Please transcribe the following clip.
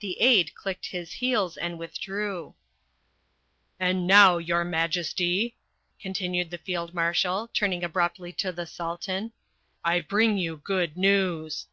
The aide clicked his heels and withdrew. "And now, your majesty," continued the Field Marshal, turning abruptly to the Sultan, "I bring you good news."